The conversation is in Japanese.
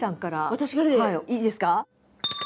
私からでいいですか？